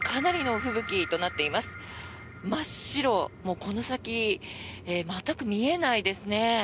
この先、全く見えないですね。